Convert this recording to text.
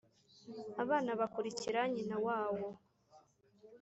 abana bakurikira nyina wawo